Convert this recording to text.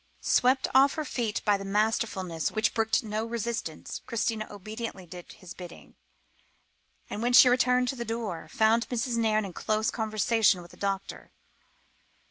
Swept off her feet by the masterfulness which brooked no resistance, Christina obediently did his bidding, and when she returned to the door, found Mrs. Nairne in close conversation with the doctor.